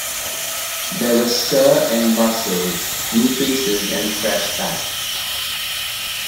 There were stir and bustle, new faces, and fresh facts.